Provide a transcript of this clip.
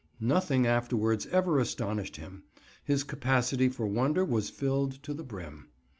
Nothing afterwards ever astonished him: his capacity for wonder was filled to the brim.